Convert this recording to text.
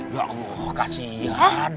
ya allah kasian